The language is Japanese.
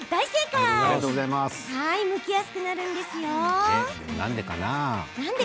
むきやすくなるんです。